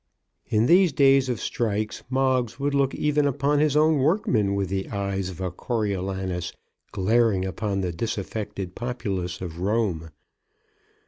In these days of strikes Moggs would look even upon his own workmen with the eyes of a Coriolanus glaring upon the disaffected populace of Rome.